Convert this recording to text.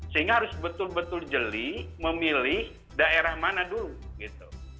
sehingga harus betul betul jeli memilih daerah mana dulu gitu